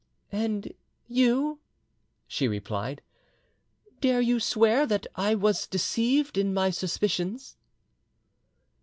"And you," she replied, "dare you swear that I was deceived in my suspicions?"